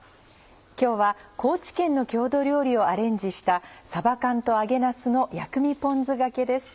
今日は高知県の郷土料理をアレンジした「さば缶と揚げなすの薬味ポン酢がけ」です。